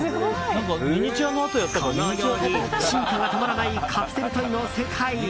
このように進化が止まらないカプセルトイの世界。